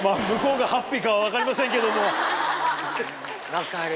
分かる。